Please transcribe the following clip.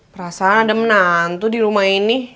perasaan ada menantu di rumah ini